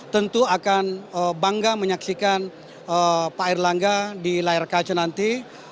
tentu akan bangga menyaksikan pak erlangga di layar kaca nanti